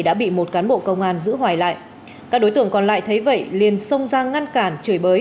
đã bị một cán bộ công an giữ hoài lại các đối tượng còn lại thấy vậy liền xông ra ngăn cản chửi bới